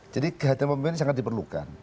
jadi kehadiran pemimpin sangat diperlukan